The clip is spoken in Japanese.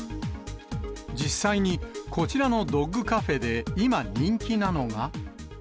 実際にこちらのドッグカフェで、今人気なのが。